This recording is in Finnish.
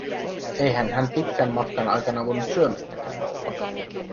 Eihän hän pitkän matkan aikana voinut syömättäkään olla.